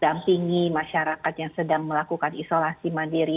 dampingi masyarakat yang sedang melakukan isolasi mandiri